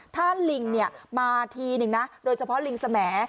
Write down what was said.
ถ้าลิงมาทีนึงนะโดยเฉพาะลิงสม